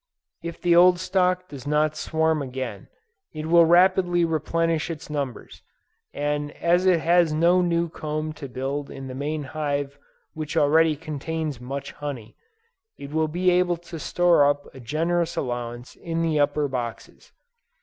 If the old stock does not swarm again, it will rapidly replenish its numbers, and as it has no new comb to build in the main hive which already contains much honey, it will be able to store up a generous allowance in the upper boxes.